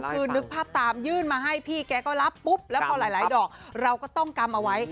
คือนึกภาพตามยื่นมาให้พี่แกก็รับปุ๊บแล้วพอหลายดอกเราก็ต้องกำเอาไว้